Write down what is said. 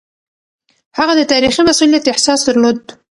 هغه د تاريخي مسووليت احساس درلود.